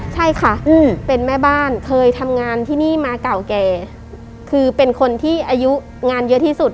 ใช่ค่ะเป็นแม่บ้านเคยทำงานที่นี่มาเก่าแก่คือเป็นคนที่อายุงานเยอะที่สุด